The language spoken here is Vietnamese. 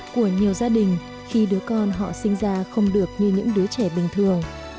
của nhiều gia đình khi đứa con họ sinh ra không được như những đứa trẻ bình thường